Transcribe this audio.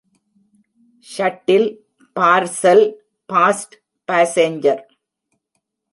Shuttle, parcel fast passenger.